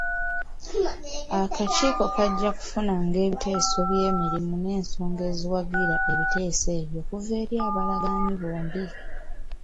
Akakiiko kajja kufunanga ebiteeso by'emirimu n'ensonga eziwagira ebiteeso ebyo okuva eri abalagaanyi bombi.